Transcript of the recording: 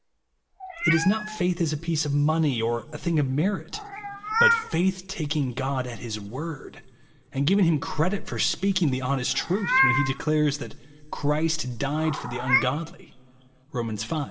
It is not faith as a piece of money or a thing of merit ; but faith tak ing God at his word, and giving him credit for speaking the honest truth, when he de clares that " Clirist died for the ungodly," (Rom. V.